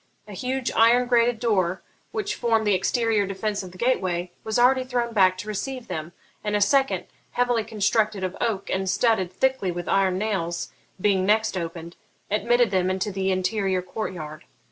A huge iron grated door, which formed the exterior defence of the gateway, was already thrown back to receive them; and a second, heavily constructed of oak and studded thickly with iron nails, being next opened, admitted them into the interior court yard.